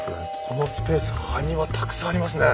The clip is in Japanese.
このスペース埴輪たくさんありますね。